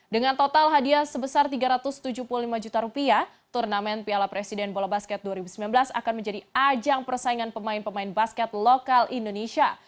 dengan total hadiah sebesar rp tiga ratus tujuh puluh lima juta rupiah turnamen piala presiden bola basket dua ribu sembilan belas akan menjadi ajang persaingan pemain pemain basket lokal indonesia